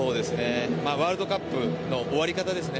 ワールドカップの終わり方ですよね。